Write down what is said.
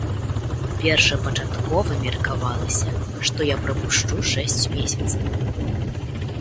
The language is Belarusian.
Першапачаткова меркавалася, што я прапушчу шэсць месяцаў.